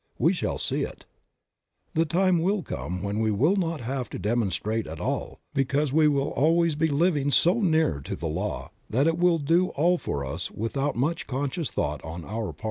We shall see it. The time will come when we will not have to demonstrate at all because we will be always living so near to the law that it will do all for us without much conscious thought on our part.